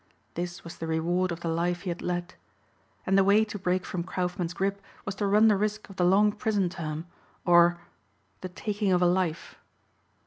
This was the reward of the life he had led. And the way to break from Kaufmann's grip was to run the risk of the long prison term, or the taking of a life.